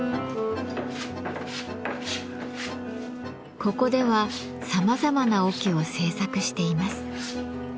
ここではさまざまな桶を製作しています。